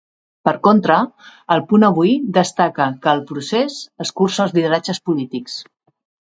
Per contra, 'El Punt Avui'destaca que "El procés escurça els lideratges polítics".